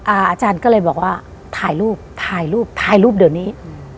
อาจารย์ก็เลยบอกว่าถ่ายรูปถ่ายรูปถ่ายรูปเดี๋ยวนี้